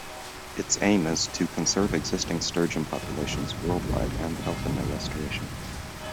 Its aim is to conserve existing sturgeon populations worldwide and help in their restoration.